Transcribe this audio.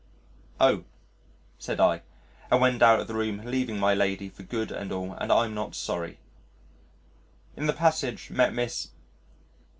"Oh," said I, and went out of the room leaving my lady for good and all and I'm not sorry. In the passage met Miss